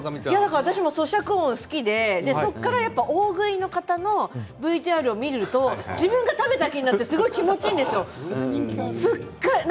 私も、そしゃく音が好きでそこから大食いの方のＶＴＲを見ると自分が食べた気になってすごく気持ちがいいんですよ。